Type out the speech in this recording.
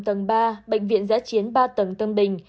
tầng ba bệnh viện giá chiến ba tầng tâm bình